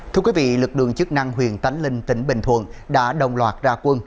thưa quý vị lực đường chức năng huyền tánh linh tỉnh bình thuận đã đồng loạt ra quân